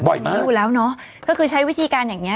บ่อยมากอยู่แล้วเนอะก็คือใช้วิธีการอย่างเนี้ย